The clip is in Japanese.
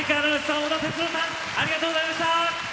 織田哲郎さんありがとうございました。